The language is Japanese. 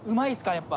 やっぱ。